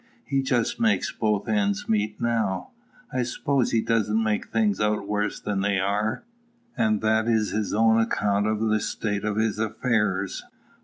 He just makes both ends meet now: I suppose he doesn't make things out worse than they are; and that is his own account of the state of his affairs.